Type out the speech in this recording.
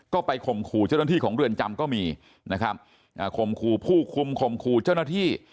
ก็ไปข่มขู่เจ้าหน้าที่ของเรือนจำก็มีนะครับข่มขู่ผู้คุมข่มขู่เจ้าหน้าที่